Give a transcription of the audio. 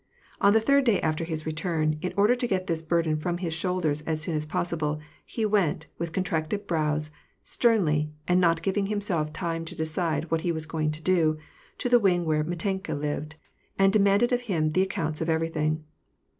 On the third day after his return, in order to get this burden from his shoulders as soon as possible, he went, with contracted brows, sternly, and not giving himself time to decide what he was going to do, to the wing where Mitenka lived, and de manded of him the " accounts of eveiy thing."